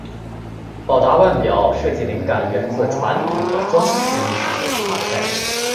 宝达腕表设计灵感源自传统的装饰艺术所启发的概念。